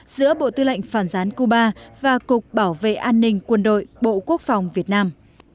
giữa bộ tư lệnh phản gián cuba và cục bảo vệ an ninh quân đội bộ quốc phòng việt nam